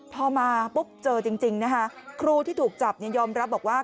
พอมาปุ๊บเจอจริงนะคะครูที่ถูกจับยอมรับบอกว่า